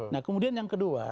nah kemudian yang kedua